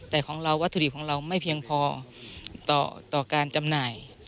แต่ของเราวัตถุดิบของเราไม่เพียงพอต่อการจำหน่าย